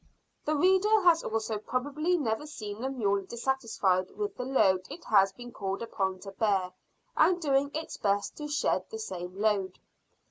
The reader has also probably never seen a mule dissatisfied with the load it has been called upon to bear, and doing its best to shed the same load.